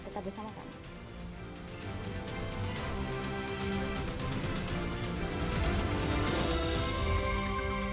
tetap bersama kami